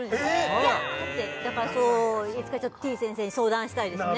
イヤーッてだからそういつかてぃ先生に相談したいですね